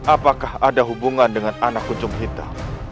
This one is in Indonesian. apakah ada hubungan dengan anak kucung hitam